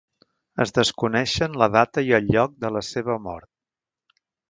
Es desconeixen la data i el lloc de la seva mort.